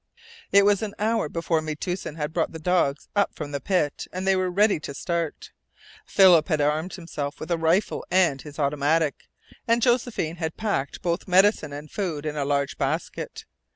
It was an hour before Metoosin had brought the dogs up from the pit and they were ready to start. Philip had armed himself with a rifle and his automatic, and Josephine had packed both medicine and food in a large basket.